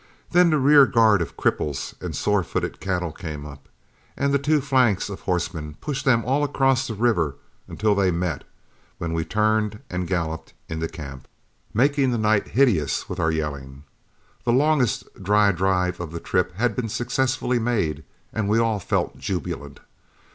Then the rear guard of cripples and sore footed cattle came up, and the two flanks of horsemen pushed them all across the river until they met, when we turned and galloped into camp, making the night hideous with our yelling. The longest dry drive of the trip had been successfully made, and we all felt jubilant.